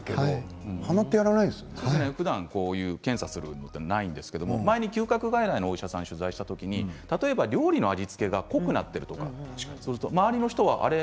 ふだん検査するものなんですが前に嗅覚外来のお医者さんを取材した時に例えば料理の味付けが濃くなっていたりすると周り人はあれ？